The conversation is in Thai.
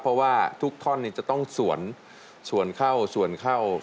เพราะว่าทุกท่อนจะต้องสวนสวนเข้าสวนเข้า